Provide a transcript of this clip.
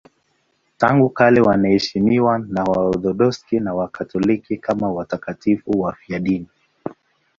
Tangu kale wanaheshimiwa na Waorthodoksi na Wakatoliki kama watakatifu wafiadini.